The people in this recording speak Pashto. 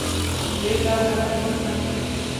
درې ډوله کسان مه هېروه .